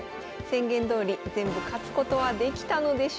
宣言どおり全部勝つことはできたのでしょうか？